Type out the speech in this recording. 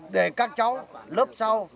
để các cháu lớp sau